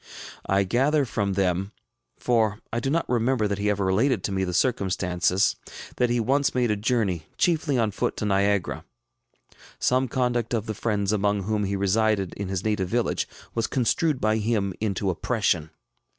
I gather from them for I do not remember that he ever related to me the circumstances that he once made a journey, chiefly on foot, to Niagara. Some conduct of the friends among whom he resided in his native village was constructed by him into oppression.